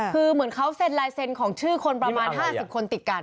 คือเหมือนเขาเซ็นลายเซ็นต์ของชื่อคนประมาณ๕๐คนติดกัน